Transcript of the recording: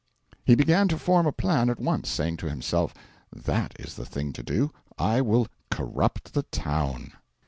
He began to form a plan at once, saying to himself "That is the thing to do I will corrupt the town."